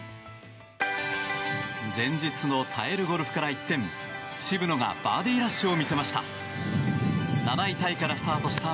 前日の耐えるゴルフから一転渋野がバーディーラッシュを見せました。